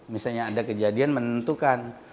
misalnya ada kejadian menentukan